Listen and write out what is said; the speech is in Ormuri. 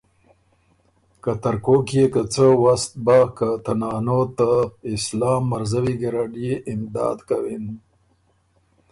که ترکوک يې که څۀ وست بَۀ که ته نانو ته اسلام مرزوی ګیرډ يې امداد کوِن